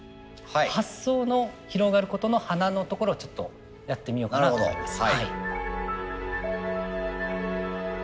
発想の広がることの華のところをちょっとやってみようかなと思います。